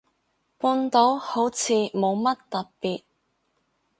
半島好似冇乜特別